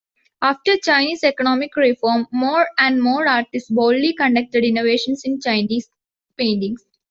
After Chinese economic reform, more and more artists boldly conducted innovations in Chinese Painting.